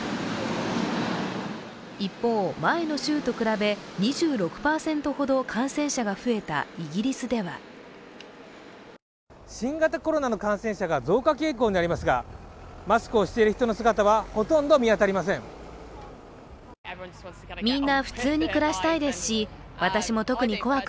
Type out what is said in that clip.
一方、前の週と比べ２６％ほど感染者が増えたイギリスでは新型コロナの感染者が増加傾向にありますがマスクをしている人の姿はほとんど見当たりません。